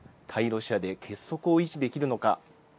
ロシアで結束を維持できるのか。